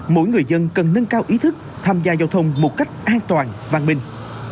mỗi người dân cần nâng cao ý thức tham gia giao thông một cách an toàn văn minh